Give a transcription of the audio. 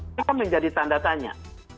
ini kan menjadi tanda tanya